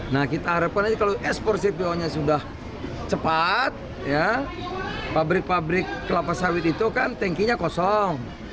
nah kita harapkan aja kalau ekspor cpo nya sudah cepat pabrik pabrik kelapa sawit itu kan tankinya kosong